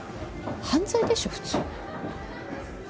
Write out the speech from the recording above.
犯罪でしょ普通。